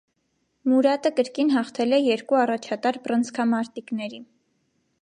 Մուրատը կրկին հաղթել է երկու առաջատար բռնցքամարտիկների։